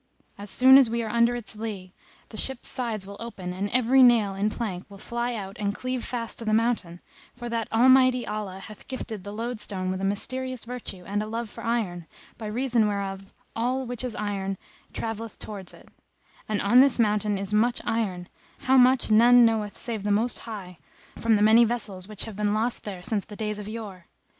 As soon as we are under its lea, the ship's sides will open and every nail in plank will fly out and cleave fast to the mountain; for that Almighty Allah hath gifted the loadstone with a mysterious virtue and a love for iron, by reason whereof all which is iron travelleth towards it; and on this mountain is much iron, how much none knoweth save the Most High, from the many vessels which have been lost there since the days of yore.